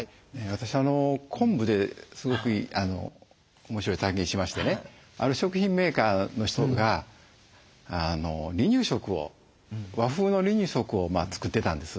私昆布ですごく面白い体験しましてねある食品メーカーの人が和風の離乳食を作ってたんです。